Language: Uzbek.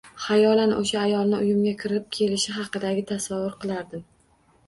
Xayolan o`sha ayolni uyimga kirib kelishi haqidagi tasavvur qilardim